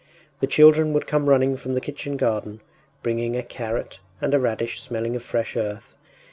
The children would come running from the kitchen garden, bringing a carrot and a radish smelling of fresh earth....